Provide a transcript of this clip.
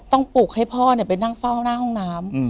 ปลุกให้พ่อไปนั่งเฝ้าหน้าห้องน้ำ